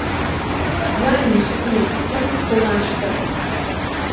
دوای نووستنێکی کەم خۆمان شتەوە